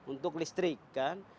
untuk listrik kan